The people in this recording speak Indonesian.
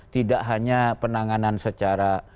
tidak hanya penanganan secara